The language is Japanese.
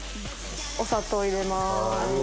お砂糖入れます。